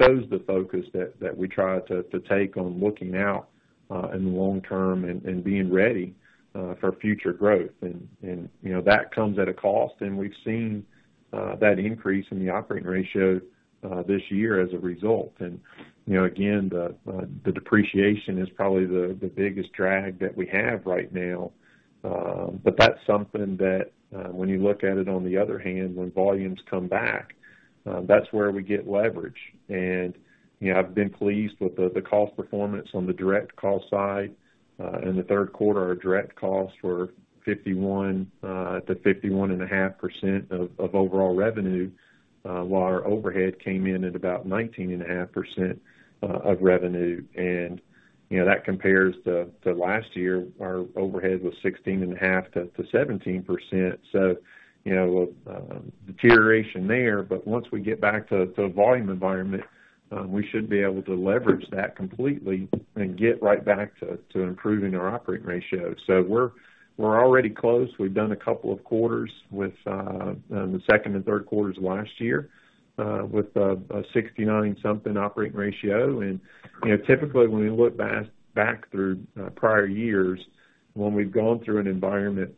shows the focus that we try to take on looking out in the long term and being ready for future growth. You know, that comes at a cost, and we've seen that increase in the operating ratio this year as a result. And, you know, again, the depreciation is probably the biggest drag that we have right now. But that's something that, when you look at it, on the other hand, when volumes come back, that's where we get leverage. And, you know, I've been pleased with the cost performance on the direct cost side. In the Q3, our direct costs were 51%-51.5% of overall revenue, while our overhead came in at about 19.5% of revenue. And, you know, that compares to last year, our overhead was 16.5%-17%. So, you know, deterioration there, but once we get back to a volume environment, we should be able to leverage that completely and get right back to improving our operating ratio. So we're already close. We've done a couple of quarters with the Q2 and Q3 of last year with a 69-something operating ratio. And, you know, typically, when we look back through prior years, when we've gone through an environment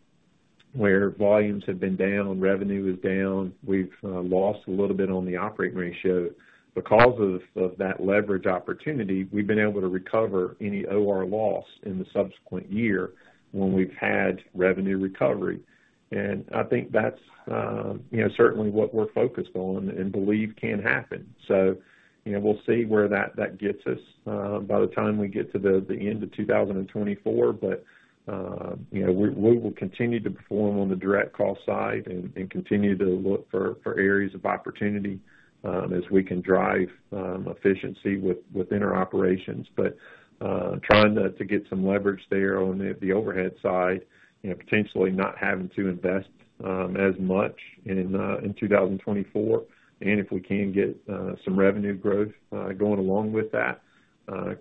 where volumes have been down, revenue is down, we've lost a little bit on the operating ratio. Because of that leverage opportunity, we've been able to recover any OR loss in the subsequent year when we've had revenue recovery. And I think that's, you know, certainly what we're focused on and believe can happen. So, you know, we'll see where that gets us by the time we get to the end of 2024. But, you know, we will continue to perform on the direct cost side and continue to look for areas of opportunity as we can drive efficiency within our operations. But, trying to get some leverage there on the overhead side, you know, potentially not having to invest as much in 2024, and if we can get some revenue growth going along with that,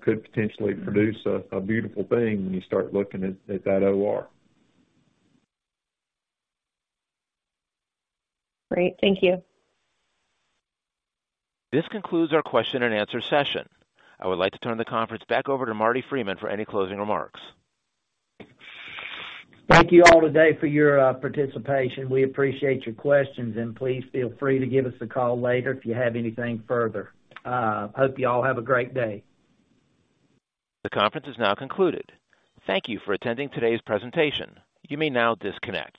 could potentially produce a beautiful thing when you start looking at that OR. Great. Thank you. This concludes our question-and-answer session. I would like to turn the conference back over to Marty Freeman for any closing remarks. Thank you all today for your participation. We appreciate your questions, and please feel free to give us a call later if you have anything further. Hope you all have a great day. The conference is now concluded. Thank you for attending today's presentation. You may now disconnect.